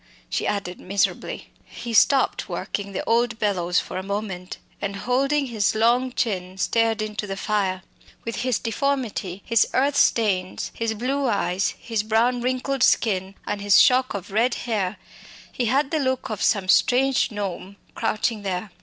she added miserably. He stopped working the old bellows for a moment, and, holding his long chin, stared into the flames. With his deformity, his earth stains, his blue eyes, his brown wrinkled skin, and his shock of red hair, he had the look of some strange gnome crouching there.